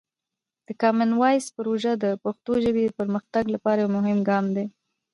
د کامن وایس پروژه د پښتو ژبې پرمختګ لپاره یوه مهمه ګام دی.